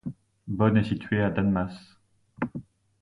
Bonne est située à d'Annemasse.